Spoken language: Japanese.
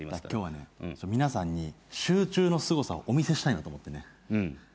今日は皆さんに集中のすごさをお見せしたいなと思ってね。